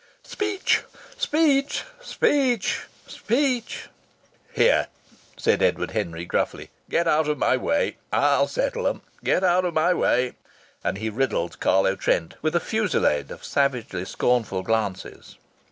"Speech! Speech! Speech! Speech!" "Here!" said Edward Henry, gruffly. "Get out of my way! I'll settle 'em! Get out of my way!" And he riddled Carlo Trent with a fusillade of savagely scornful glances.